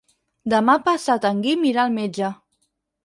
Demà passat en Guim irà al metge.